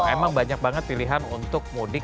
emang banyak banget pilihan untuk mudik